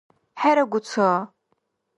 ХӀерагу ца!..